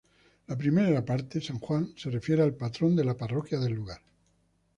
La primera parte, San Juan, se refiere al patrón de la parroquia del lugar.